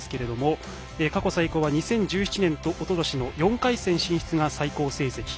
過去最高は２０１７年とおととしの４回戦進出が最高成績。